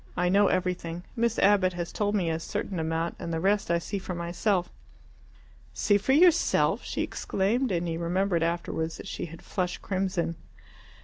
I know everything. Miss Abbott has told me a certain amount, and the rest I see for myself." "See for yourself?" she exclaimed, and he remembered afterwards that she had flushed crimson.